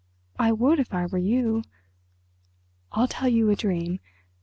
I would, if I were you. I'll tell you a dream.